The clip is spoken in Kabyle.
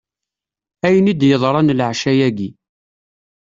Ayen i d-yeḍran leɛca-ayi.